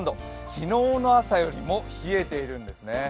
昨日の朝よりも冷えているんですね。